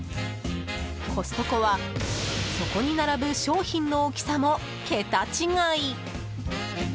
コストコは、そこに並ぶ商品の大きさも桁違い！